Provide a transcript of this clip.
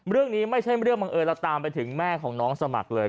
เรื่องนี้ไม่ใช่เรื่องบังเอิญแล้วตามไปถึงแม่ของน้องสมัครเลย